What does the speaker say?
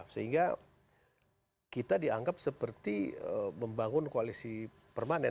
sehingga kita dianggap seperti membangun koalisi permanen